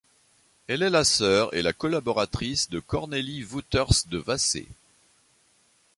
Elle est la sœur et la collaboratrice de Cornélie Wouters de Vassé.